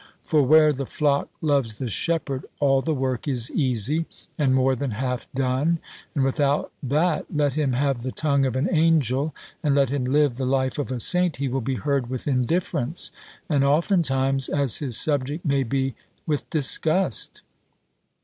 For where the flock loves the shepherd, all the work is easy, and more than half done; and without that, let him have the tongue of an angel, and let him live the life of a saint, he will be heard with indifference, and, oftentimes, as his subject may be, with disgust."